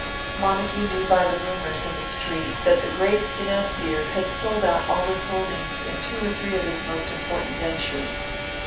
Montague knew by the rumours in the street that the great financier had sold out all his holdings in two or three of his most important ventures.